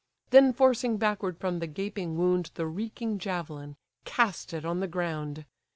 Then forcing backward from the gaping wound The reeking javelin, cast it on the ground.